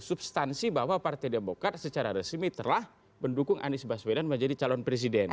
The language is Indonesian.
substansi bahwa partai demokrat secara resmi telah mendukung anies baswedan menjadi calon presiden